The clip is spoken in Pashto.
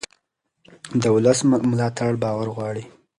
د ولس ملاتړ باور غواړي